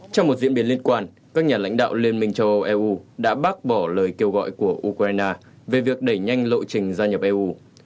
trong một diễn biến liên quan các nhà lãnh đạo liên minh châu âu eu đã bác bỏ lời kêu gọi của ukraine về việc đẩy nhanh lộ trình gia nhập eu